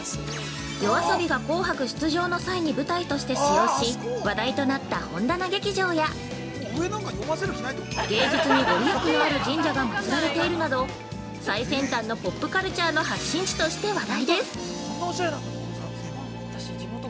ＹＯＡＳＯＢＩが紅白出場の際に舞台として使用し話題となった本棚劇場や、芸術にご利益のある神社が祭られているなど最先端のポップカルチャーの発信地として話題です。